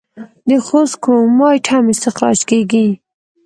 د خوست کرومایټ هم استخراج کیږي.